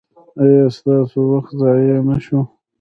ایا ستاسو وخت ضایع نه شو؟